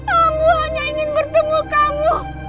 kamu hanya ingin bertemu kamu